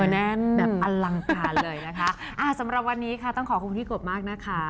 แน่นแบบอลังการเลยนะคะอ่าสำหรับวันนี้ค่ะต้องขอบคุณพี่กบมากนะคะ